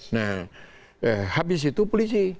nah habis itu polisi